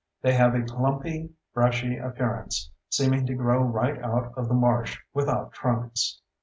They have a clumpy, brushy appearance, seeming to grow right out of the marsh without trunks.